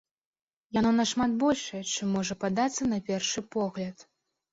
Яно нашмат большае, чым можа падацца на першы погляд.